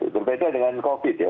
berbeda dengan covid ya